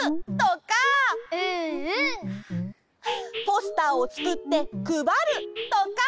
ポスターをつくってくばるとか！